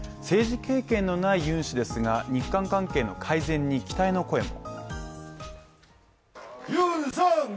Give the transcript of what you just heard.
政治経験のないユン氏ですが日韓関係の改善に期待の声も。